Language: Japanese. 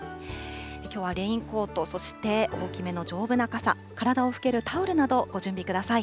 きょうはレインコート、そして大きめの丈夫な傘、体を拭けるタオルなどご準備ください。